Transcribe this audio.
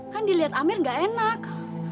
kan diliat amir ga enak